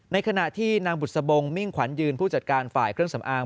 ในขณะที่นางบุษบงมิ่งขวัญยืนผู้จัดการฝ่ายเครื่องสำอาง